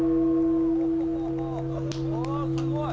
おすごい。